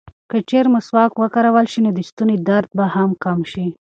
که چېرې مسواک وکارول شي، نو د ستوني درد به هم کم شي.